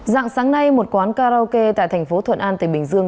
dạng sáng nay một quán karaoke tại thành phố thuận an tây bình dương